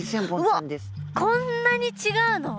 うわっこんなに違うの？